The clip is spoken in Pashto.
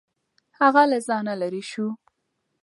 هغه له ځانه لرې شو.